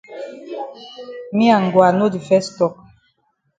Me and Ngwa no di fes tok.